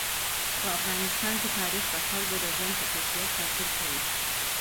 په افغانستان کې تاریخ د خلکو د ژوند په کیفیت تاثیر کوي.